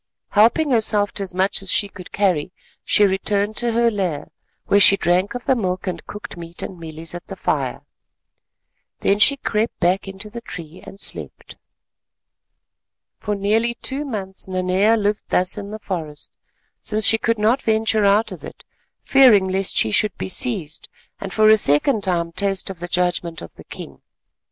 Helping herself to as much as she could carry, she returned to her lair, where she drank of the milk and cooked meat and mealies at the fire. Then she crept back into the tree, and slept. For nearly two months Nanea lived thus in the forest, since she could not venture out of it—fearing lest she should be seized, and for a second time taste of the judgment of the king.